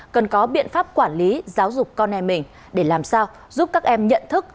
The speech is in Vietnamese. cần có biện pháp quản lý giáo dục con em mình để làm sao giúp các em nhận thức